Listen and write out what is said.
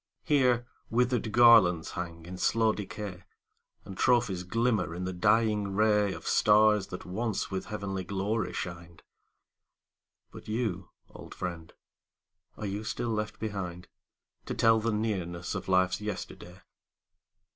Here, withered garlands hang in slow decay. And trophies glimmer in the dying ray Of stars that once with heavenly glory shined. 280 THE FALLEN But you, old friend, are you still left behind To tell the nearness of life's yesterday?